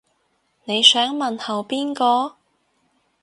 你想問候邊個